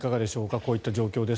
こういった状況です